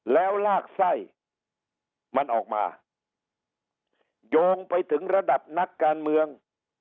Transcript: แล้วลากไส้มันออกมาโยงไปถึงระดับนักการเมือง